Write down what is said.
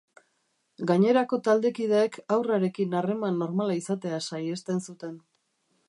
Gainerako taldekideek haurrarekin harreman normala izatea saihesten zuten.